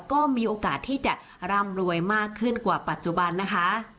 ก็มีโอกาสที่จะร่ำรวยมากขึ้นกว่าปัจจุบันนะคะ